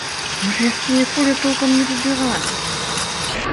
Мы ж яшчэ ніколі толкам не выбіралі.